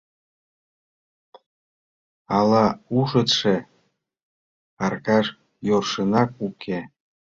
Ала ушетше, Аркаш, йӧршынак уке?»